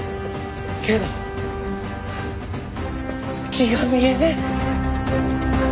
けど月が見えねえ！